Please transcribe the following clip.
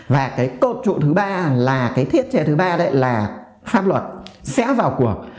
và cột trụ thứ ba là thiết chế thứ ba là pháp luật sẽ vào cuộc